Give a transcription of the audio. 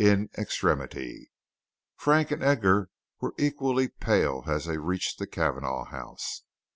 IN EXTREMITY. Frank and Edgar were equally pale as they reached the Cavanagh house.